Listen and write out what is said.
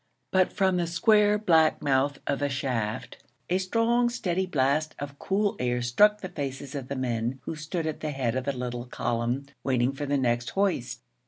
But from the square, black mouth of the shaft a strong, steady blast of cool air struck the faces of the men who stood at the head of the little column waiting for the next hoist.